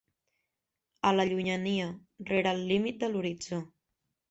A la llunyania, rere el límit de l'horitzó.